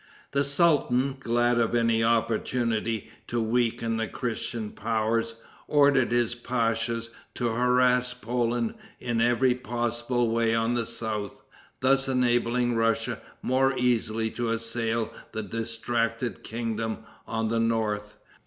The sultan, glad of any opportunity to weaken the Christian powers, ordered his pachas to harass Poland in every possible way on the south, thus enabling Russia more easily to assail the distracted kingdom on the north.